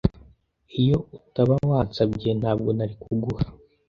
Iyo utaba wansabye, ntabwo nari kuguha.